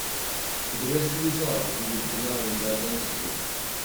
For the rest of his life he would deny his identity.